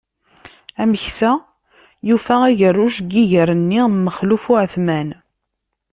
Ameksa yufa agerruj deg iger-nni n Maxluf Uεetman.